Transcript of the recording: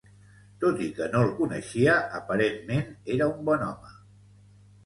Tot i que no el coneixia, aparentment era un bon home….